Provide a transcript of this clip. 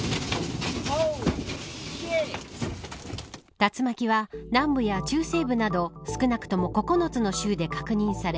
竜巻は南部や中西部など少なくとも９つの州で確認され